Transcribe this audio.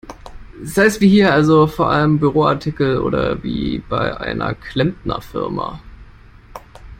Sei's wie hier, also vor allem Büroartikel, oder wie bei einer Klempnerfirma.